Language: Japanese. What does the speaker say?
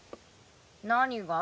何が？